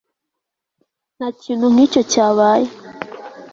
ntakintu nkicyo cyabaye